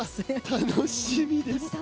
楽しみです。